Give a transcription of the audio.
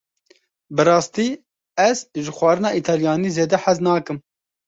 Bi rastî ez ji xwarina Îtalyanî zêde hez nakim.